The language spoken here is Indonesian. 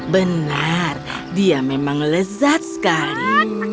benar dia memang lezat sekali